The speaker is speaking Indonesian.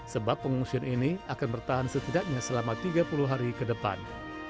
sebab pengungsian ini akan bertahan setidaknya selama tiga puluh hari ke depan